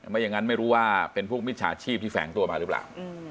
ไม่อย่างนั้นไม่รู้ว่าเป็นพวกมิจฉาชีพที่แฝงตัวมาหรือเปล่า